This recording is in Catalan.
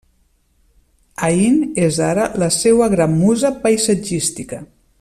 Aín és ara la seua gran musa paisatgística.